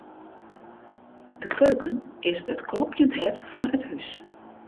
De keuken is it klopjend hert fan it hús.